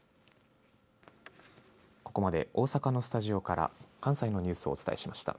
ここまで大阪のスタジオから関西のニュースをお伝えしました。